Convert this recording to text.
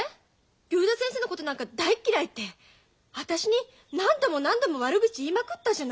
竜太先生のことなんか大っ嫌いって私に何度も何度も悪口言いまくったじゃない。